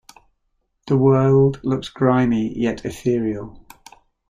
The world looks grimy, yet ethereal.